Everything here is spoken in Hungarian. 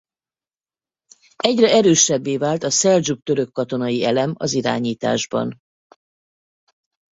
Egyre erősebbé vált a szeldzsuk török katonai elem az irányításban.